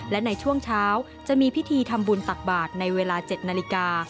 และในช่วงเช้าจะมีพิธีทำบุญตักบาทในเวลา๗นาฬิกา